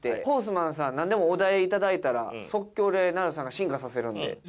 ホースマンさん何でもお題頂いたら即興でナダルさんが進化させるんで。